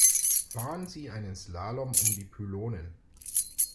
Fahren Sie einen Slalom um die Pylonen.